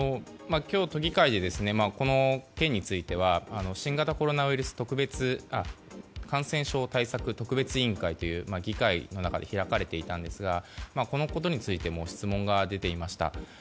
今日、都議会でこの件については新型コロナウイルス感染症対策特別委員会という議会の中で開かれていたんですがこのことについても質問が出ていました。